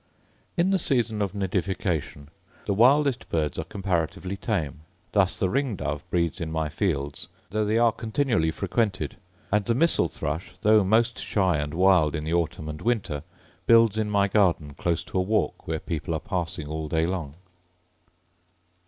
In the season of notification the wildest birds are comparatively tame. Thus the ring dove breeds in my fields, though they are continually frequented; and the missel thrush, though most shy and wild in the autumn and winter, builds in my garden close to a walk where people are passing all day long.